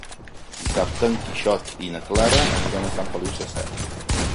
Dissabte en Quixot i na Clara aniran a Sant Feliu Sasserra.